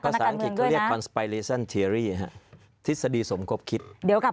ภาษาอังกฤษก็เรียกคอนสปายเลสเตอรี่ทฤษฎีสมคบคิดเดี๋ยวกลับ